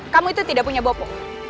kamu itu tidak punya bopo